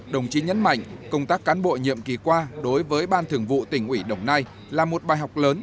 đồng chí nhấn mạnh công tác cán bộ nhiệm kỳ qua đối với ban thường vụ tỉnh ủy đồng nai là một bài học lớn